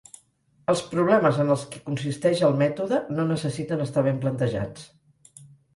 Els problemes en els què consisteix el mètode no necessiten estar ben plantejats.